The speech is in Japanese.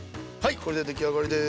これで出来上がりです！